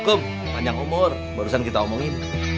hukum panjang umur barusan kita omongin